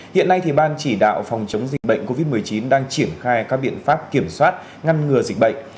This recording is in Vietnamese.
hiện nay ban chỉ đạo phòng chống dịch bệnh covid một mươi chín đang triển khai các biện pháp kiểm soát ngăn ngừa dịch bệnh